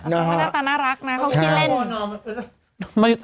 น่ารักน่ารักนะเขาคิดเล่น